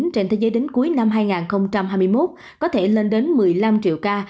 trên thế giới đến cuối năm hai nghìn hai mươi một có thể lên đến một mươi năm triệu ca